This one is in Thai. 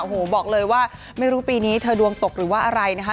โอ้โหบอกเลยว่าไม่รู้ปีนี้เธอดวงตกหรือว่าอะไรนะคะ